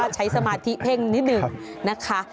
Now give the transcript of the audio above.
ใช้สมาธิเพ่งนิดหนึ่งนะคะ